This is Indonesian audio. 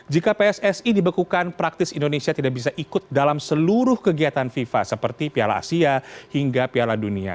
jika pssi dibekukan praktis indonesia tidak bisa ikut dalam seluruh kegiatan fifa seperti piala asia hingga piala dunia